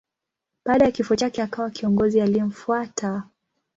Baada ya kifo chake akawa kiongozi aliyemfuata.